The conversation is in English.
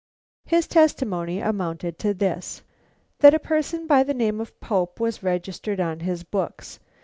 His testimony amounted to this: That a person by the name of Pope was registered on his books.